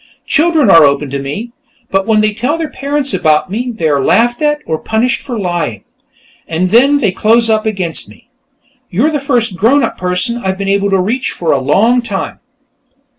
Children are open to me, but when they tell their parents about me, they are laughed at, or punished for lying, and then they close up against me. You're the first grown up person I've been able to reach for a long time."